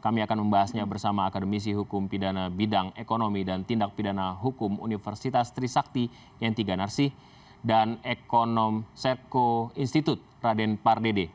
kami akan membahasnya bersama akademisi hukum pidana bidang ekonomi dan tindak pidana hukum universitas trisakti yantiganarsi dan ekonomserko institut raden pardede